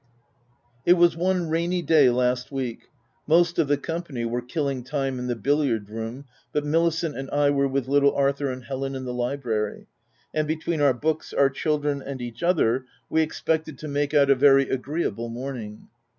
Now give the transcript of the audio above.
It was one rainy day last week : most of the company were killing time in the billiard room, but Milicent and I were with little Arthur and Helen in the library, and between our books, our children, and each other, we expected to 252 THE TENANT make out a very agreeable morning.